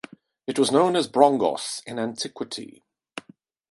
It was known as Brongos in antiquity.